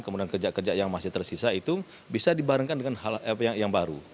kemudian kerja kerja yang masih tersisa itu bisa dibarengkan dengan hal yang baru